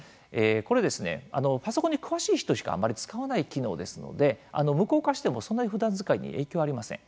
これパソコンに詳しい人しかあまり使わない機能ですので無効化してもそんなにふだん使いに影響はありません。